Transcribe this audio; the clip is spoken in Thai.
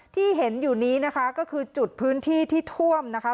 ที่เห็นอยู่นี้นะคะก็คือจุดพื้นที่ที่ท่วมนะคะ